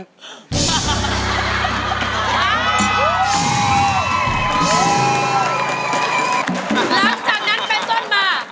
หลังจากนั้นไปจนมา